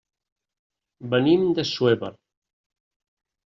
Venim d'Assuévar.